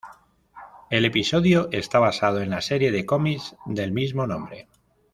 El episodio está basado en la serie de comics del mismo nombre.